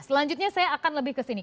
selanjutnya saya akan lebih ke sini